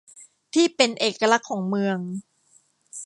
ที่เป็นเอกลักษณ์ของเมือง